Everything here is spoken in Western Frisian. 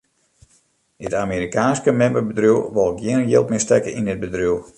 It Amerikaanske memmebedriuw wol gjin jild mear stekke yn it bedriuw.